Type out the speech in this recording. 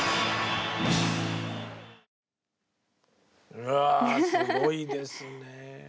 うわすごいですね。